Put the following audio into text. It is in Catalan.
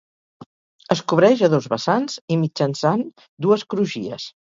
Es cobreix a dos vessants i mitjançant dues crugies.